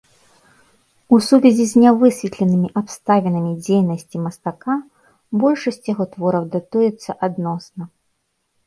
У сувязі з нявысветленымі абставінамі дзейнасці мастака большасць яго твораў датуецца адносна.